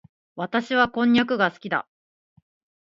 私はこんにゃくが好きだ。